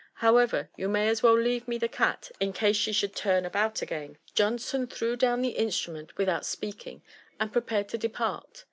However, you may as well leave me the cat in case she should turnabout again.". Johnson threw down the instrument without speaking, and prepared to depart.